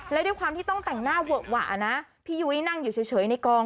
และด้วยความที่ต้องแต่งหน้าเวอะหวะนะพี่ยุ้ยนั่งอยู่เฉยในกอง